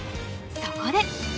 そこで！